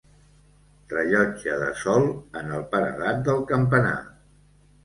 Rellotge de sol en el paredat del campanar.